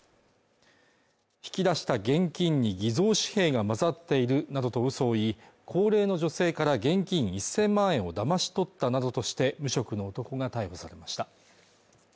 引き出した現金に偽造紙幣が混ざっているなどとうそを言い高齢の女性から現金１０００万円をだまし取ったなどとして無職の男が逮捕されました